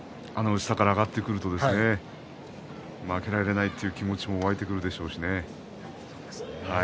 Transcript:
下から上がってくると負けられないという気持ちも湧いてくるでしょうしね。